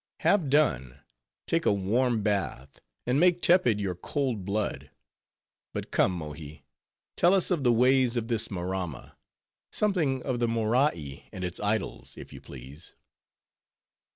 Have done. Take a warm bath, and make tepid your cold blood. But come, Mohi, tell us of the ways of this Maramma; something of the Morai and its idols, if you please."